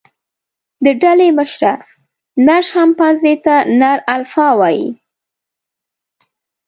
د ډلې مشره، نر شامپانزي ته نر الفا وایي.